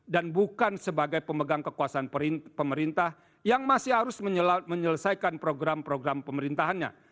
dan bukan sebagai pemegang kekuasaan pemerintah yang masih harus menyelesaikan program program pemerintahannya